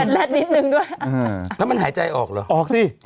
แลดนิดนึงด้วยแล้วมันหายใจออกเหรอออกสิ